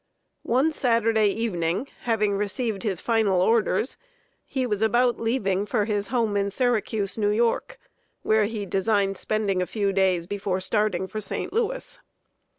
One Saturday evening, having received his final orders, he was about leaving for his home in Syracuse, New York, where he designed spending a few days before starting for St. Louis.